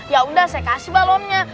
ya udah saya kasih balonnya